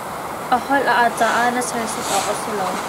A holh a aat caah na serhset awk a si lo.